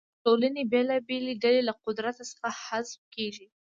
د ټولنې بېلابېلې ډلې له قدرت څخه حذف کیږي.